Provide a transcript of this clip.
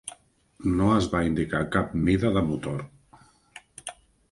No es va indicar cap mida de motor.